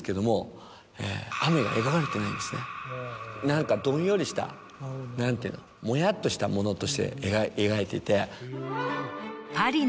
何かどんよりした何ていうの？もやっとしたものとして描いていて。